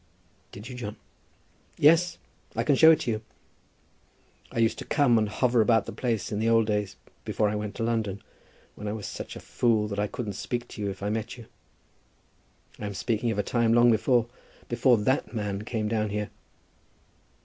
"Did you, John?" "Yes. I can show it you. I used to come and hover about the place in the old days, before I went to London, when I was such a fool that I couldn't speak to you if I met you. I am speaking of a time long before, before that man came down here."